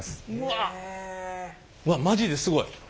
わっマジですごい。